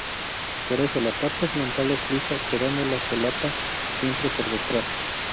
Por eso, la parte frontal es lisa, quedando la solapa siempre por detrás.